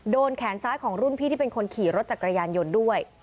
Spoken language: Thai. แขนซ้ายของรุ่นพี่ที่เป็นคนขี่รถจักรยานยนต์ด้วย